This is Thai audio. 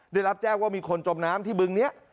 ได้รับแจ้งว่ามีคนจมน้ำที่บึงนี้